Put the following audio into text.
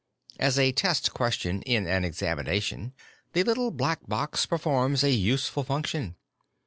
As a test question in an examination, the Little Black Box performs a useful function.